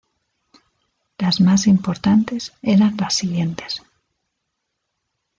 Las más importantes eran las siguientes.